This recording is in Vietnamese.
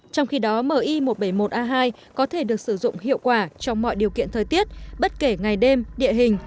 trong khi đó mi một trăm bảy mươi một a hai có thể được sử dụng hiệu quả trong mọi điều kiện thời tiết bất kể ngày đêm địa hình